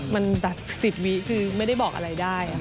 มันแบบ๑๐วิคือไม่ได้บอกอะไรได้